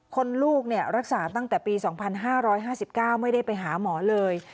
ลูกรักษาตั้งแต่ปี๒๕๕๙ไม่ได้ไปหาหมอเลย